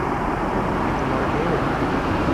এত মার খেয়েও!